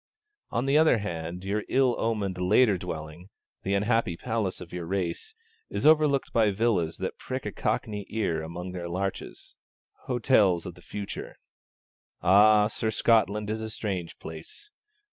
On the other hand, your ill omened later dwelling, 'the unhappy palace of your race,' is overlooked by villas that prick a cockney ear among their larches, hotels of the future. Ah, Sir, Scotland is a strange place.